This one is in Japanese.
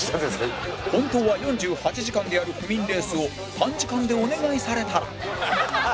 本当は４８時間でやる不眠レースを短時間でお願いされたら？